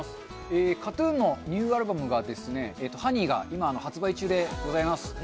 ＫＡＴ−ＴＵＮのニューアルバム、「Ｈｏｎｅｙ」が今、発売中でございます。